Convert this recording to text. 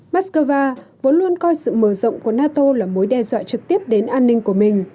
moscow vốn luôn coi sự mở rộng của nato là mối đe dọa trực tiếp đến an ninh của mình